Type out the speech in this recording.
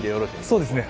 そうですね。